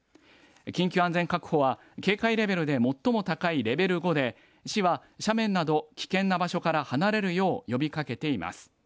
緊急安全確保は警戒レベルで最も高いレベル５で市は斜面など危険な場所から離れるよう呼びかけています。